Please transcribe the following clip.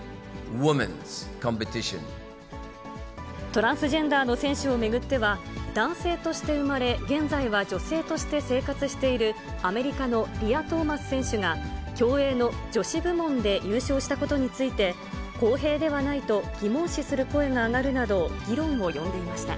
トランスジェンダーの選手を巡っては、男性として生まれ、現在は女性として生活している、アメリカのリア・トーマス選手が、競泳の女子部門で優勝したことについて、公平ではないと疑問視する声が上がるなど、議論を呼んでいました。